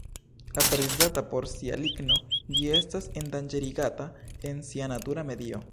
Aprezata por sia ligno, ĝi estas endanĝerigata en sia natura medio.